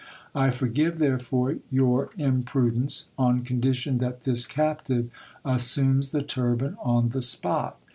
I forgive, therefore, your imprudence, on condition that this captive assumes the turban on the spot.